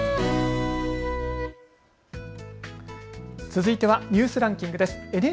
続いてはニュースランキングです。